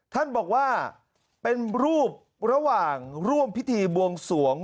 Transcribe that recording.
ท่านบอกว่าเป็นรูประหว่างร่วมพิธีบวงสวง